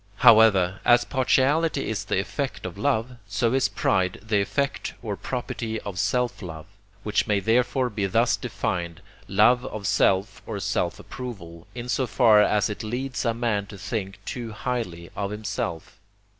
However, as partiality is the effect of love, so is pride the effect or property of self love, which may therefore be thus defined, love of self or self approval, in so far as it leads a man to think too highly of himself.